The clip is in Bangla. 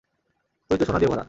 তুই তো সোনা দিয়ে ভরা।